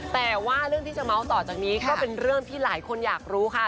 แต่ว่าเรื่องที่จะเมาส์ต่อจากนี้ก็เป็นเรื่องที่หลายคนอยากรู้ค่ะ